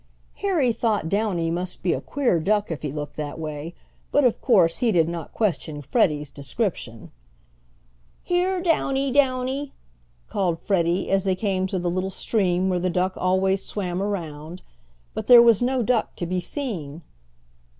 Harry thought Downy must be a queer duck if he looked that way, but, of course, he did not question Freddie's description. "Here, Downy, Downy!" called Freddie, as they came to the little stream where the duck always swam around. But there was no duck to be seen.